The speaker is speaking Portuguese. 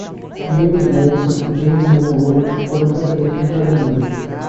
James Madison e James Monroe foram presidentes do Estados Unidos.